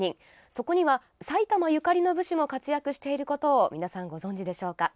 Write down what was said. そこには埼玉ゆかりの武士も活躍していることを皆さんご存じでしょうか？